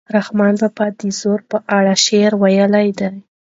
رحمان بابا د زور په اړه شعر ویلی دی.